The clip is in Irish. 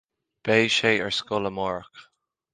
Beidh sé ar scoil amárach